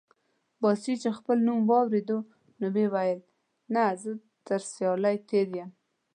باسي چې خپل نوم واورېد وې ویل: نه، زه تر سیالۍ تېر یم.